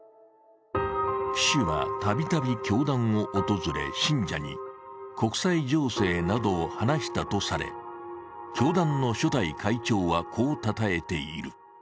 岸はたびたび教団を訪れ、信者に国際情勢などを話したとされ、教団の初代会長はこうたたえている。